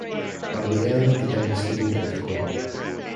By the end of devastating earthquake.